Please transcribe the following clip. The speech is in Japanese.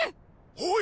おい！